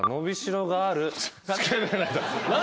何？